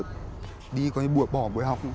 thôi anh bảo bây giờ đi có gì bỏ buổi học